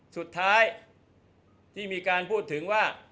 สุดท้ายที่มีการพูดถึงว่า